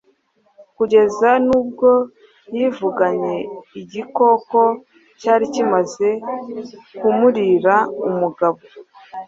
kugeza n’ubwo yivuganye igikoko cyari kimaze kumurira umugabo,